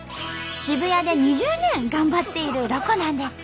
渋谷で２０年頑張っているロコなんです！